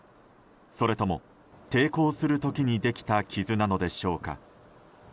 それとも、抵抗する時にできた傷なのでしょうか。